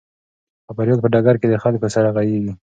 خبریال په ډګر کې د خلکو سره غږیږي.